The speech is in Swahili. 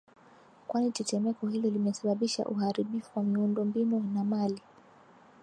kwani tetemeko hilo limesababisha uharibifu wa miundombinu na mali